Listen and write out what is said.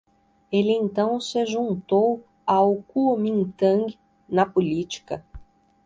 Ele então se juntou ao Kuomintang na política.